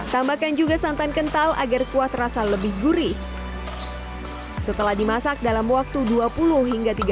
tambahkan juga santan kental agar kuah terasa lebih gurih setelah dimasak dalam waktu dua puluh hingga tiga puluh